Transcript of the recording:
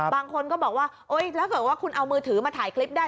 บางคนก็บอกว่าโอ๊ยถ้าเกิดว่าคุณเอามือถือมาถ่ายคลิปได้